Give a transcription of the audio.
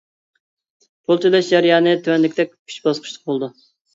پۇل تۆلەش جەريانى تۆۋەندىكىدەك ئۈچ باسقۇچلۇق بولىدۇ.